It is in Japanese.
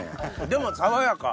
でも爽やか！